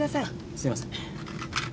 すいません。